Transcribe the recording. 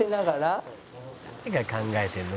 「誰が考えてるの？